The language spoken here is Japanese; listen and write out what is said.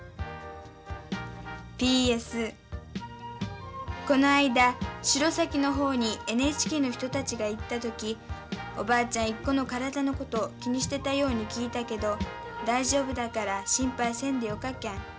Ｐ．Ｓ．この間白崎の方にＮＨＫの人たちが行った時おばあちゃんイッコの体のこと気にしてたように聞いたけど大丈夫だから心配せんでよかけん。